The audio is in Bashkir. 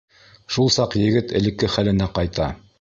Шул саҡ егет элекке хәленә ҡайта.